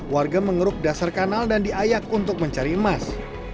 warga mengeruk dasar kanal dan diayak untuk mencari emas